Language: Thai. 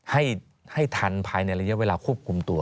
ให้ทันภายในระยะเวลาควบคุมตัว